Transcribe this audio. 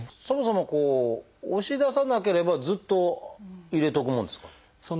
そもそもこう押し出さなければずっと入れておくもんですか？